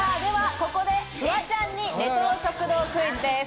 ここでフワちゃんにレトロ食堂クイズです。